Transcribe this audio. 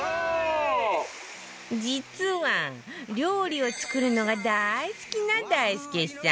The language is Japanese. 実は料理を作るのが大好きな大輔さん